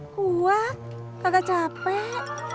kuat nggak capek